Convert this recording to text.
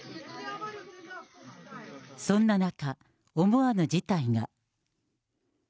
そんな中、思わぬ事態が。